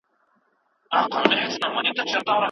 ډیپلوماسي د شخړو سوله ییز حل دی.